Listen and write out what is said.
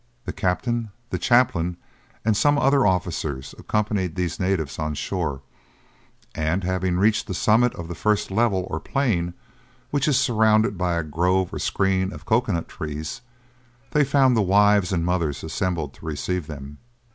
The captain, the chaplain, and some other officers accompanied these natives on shore, and having reached the summit of the first level or plain, which is surrounded by a grove or screen of cocoa nut trees, they found the wives and mothers assembled to receive them.